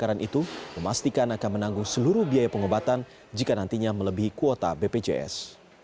karena itu memastikan akan menanggung seluruh biaya pengobatan jika nantinya melebihi kuota bpjs